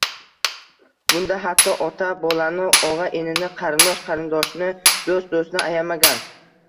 Bunda – hatto ota – bolani, og’a – inini, qarindosh – qarindoshni, do’st – do’stni ayamagan